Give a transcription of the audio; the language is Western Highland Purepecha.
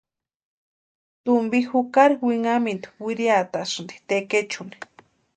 Tumpi jukari winhamintu wiriatasïnti tekechuni.